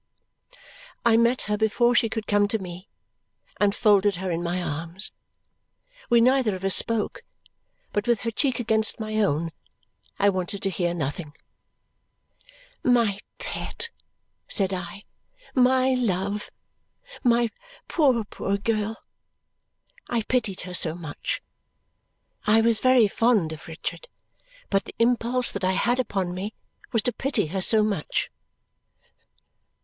I met her before she could come to me and folded her in my arms. We neither of us spoke, but with her cheek against my own I wanted to hear nothing. "My pet," said I. "My love. My poor, poor girl!" I pitied her so much. I was very fond of Richard, but the impulse that I had upon me was to pity her so much.